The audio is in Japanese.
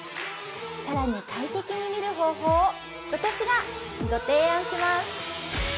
更に快適に見る方法を私がご提案します